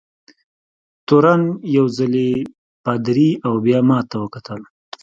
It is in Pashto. تورن یو ځلي پادري او بیا ما ته وکتل.